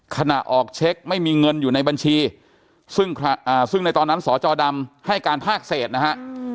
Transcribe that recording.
ขณะออกเช็คไม่มีเงินอยู่ในบัญชีซึ่งในตอนนั้นสจดำให้การภาคเศษนะฮะ